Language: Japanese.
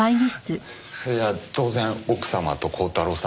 いや当然奥様と鋼太郎さん